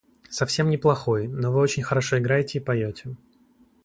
– Совсем не плохой, но вы очень хорошо играете и поете.